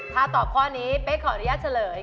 ถ้าตอบข้อนี้เป๊กขออนุญาตเฉลย